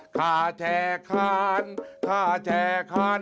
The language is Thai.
ข้าแช่คานข้าแช่คาน